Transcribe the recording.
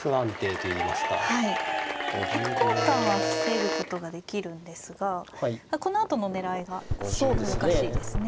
角交換は防ぐことができるんですがこのあとの狙いが難しいですね。